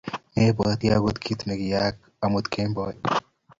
Mepwoti agot kit ne kiyaak amut kemboi